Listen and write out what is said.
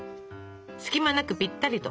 隙間なくぴったりと。